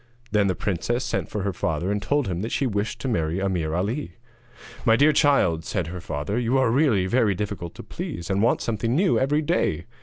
Then the princess sent for her father and told him that she wished to marry Ameer Ali. 'My dear child,' said her father, 'you really are very difficult to please, and want something new every day.